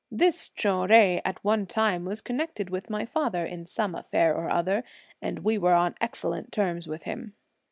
This Chou Jui, at one time, was connected with my father in some affair or other, and we were on excellent terms with him."